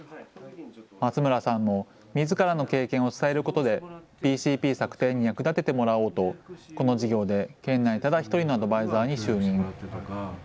松村さんもみずからの経験を伝えることでＢＣＰ策定に役立ててもらおうとこの事業で県内ただ１人のアドバイザーに就任。